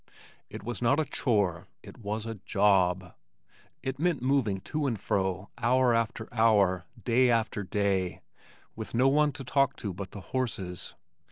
It was not a chore, it was a job. It meant moving to and fro hour after hour, day after day, with no one to talk to but the horses.